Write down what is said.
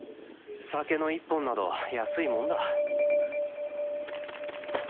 酒の１本など安いもんだ